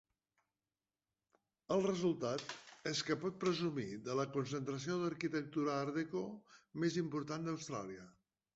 El resultat és que pot presumir de la concentració d'arquitectura Art Deco més important d'Austràlia.